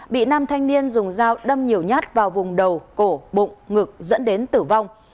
bị nam thanh niên dùng dao đâm nhiều nhát vào vùng đầu cổ bụng ngực dẫn đến tử vong